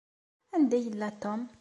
Anda yella Tom?